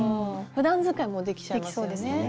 ふだん使いもできちゃいますよね。